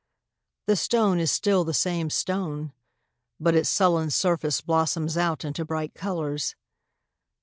The stone is still the same stone ; but its sullen surface blossoms out into bright colours.